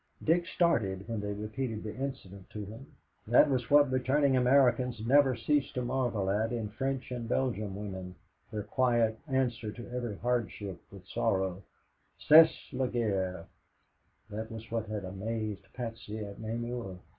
Dick started when they repeated the incident to him. "That was what returning Americans never ceased to marvel at in French and Belgian women their quiet answer to every hardship, every sorrow 'C'est la guerre.'" That was what had amazed Patsy at Namur.